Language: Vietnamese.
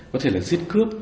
có thể là giết cướp